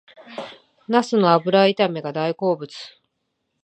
ナスの油炒めが大好物